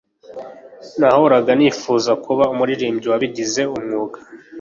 Nahoraga nifuza kuba umuririmbyi wabigize umwuga